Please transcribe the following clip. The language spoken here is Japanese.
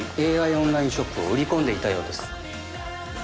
オンラインショップを売り込んでいたようです